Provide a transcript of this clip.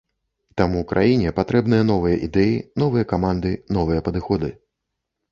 Таму краіне патрэбныя новыя ідэі, новыя каманды, новыя падыходы.